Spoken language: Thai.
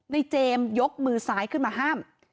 เจมส์ยกมือซ้ายขึ้นมาห้าม